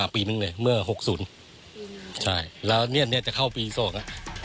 ปีหนึ่งหนึ่งเลยเมื่อ๖๐แล้วนี้จะเข้าปีสอง